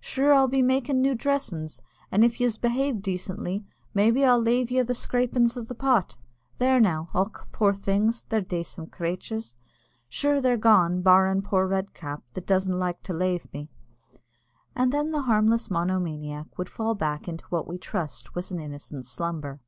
Sure I'll be makin' new dressin's; and if yez behave decently, maybe I'll lave yez the scrapin' o' the pot. There now. Och! poor things, they're dacent crathurs. Sure they're all gone, barrin' poor Red cap, that doesn't like to lave me." And then the harmless monomaniac would fall back into what we trust was an innocent slumber.